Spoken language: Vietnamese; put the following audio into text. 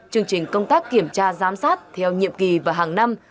chương trình công tác kiểm tra giám sát theo nhiệm kỳ và hàng năm